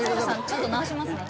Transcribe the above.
ちょっと直しますね。